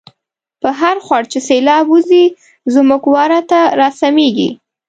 په هرخوړ چی سیلاب وزی، زمونږ وره ته را سمیږی